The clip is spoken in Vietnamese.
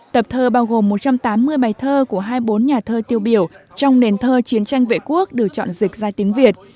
tập thơ bao gồm một trăm tám mươi bài thơ của hai mươi bốn nhà thơ tiêu biểu trong nền thơ chiến tranh vệ quốc được chọn dịch ra tiếng việt